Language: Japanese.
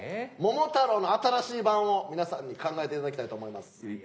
『桃太郎』の新しい版を皆さんに考えて頂きたいと思います。